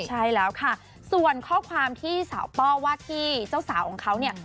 ใช่แล้วค่ะส่วนข้อความที่สาวป้อว่าที่เจ้าสาวของเขาเนี่ย